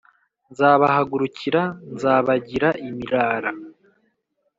nzabahagurukira nzabagira imirara